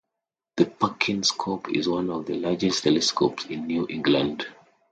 The Perkins scope is one of the largest telescopes in New England.